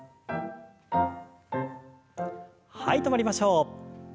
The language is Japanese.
はい止まりましょう。